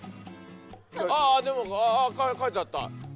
ああでもああ書いてあった。